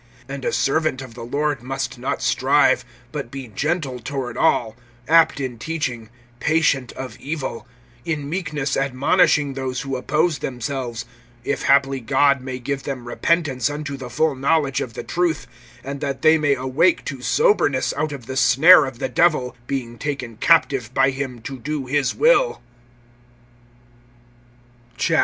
(24)And a servant of the Lord must not strive, but be gentle toward all, apt in teaching, patient of evil; (25)in meekness admonishing those who oppose themselves; if haply God may give them repentance unto the full knowledge of the truth; (26)and that they may awake to soberness out of the snare of the Devil, being taken captive by him, to do his will[2:26].